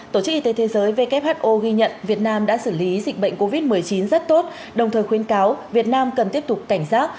tổ chức y tế thế giới who ghi nhận việt nam đã xử lý dịch bệnh covid một mươi chín rất tốt đồng thời khuyến cáo việt nam cần tiếp tục cảnh giác